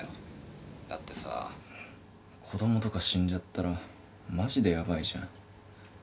だってさ子供とか死んじゃったらマジでヤバいじゃん。